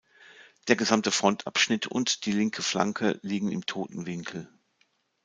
Der gesamte Frontabschnitt und die linke Flanke liegen im toten Winkel.